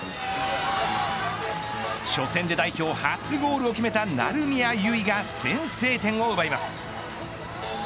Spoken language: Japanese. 初戦で、代表初ゴールを決めた成宮唯が先制点を奪います。